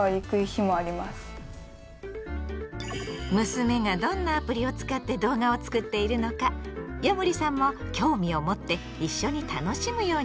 娘がどんなアプリを使って動画を作っているのかヤモリさんも興味を持って一緒に楽しむようにしている。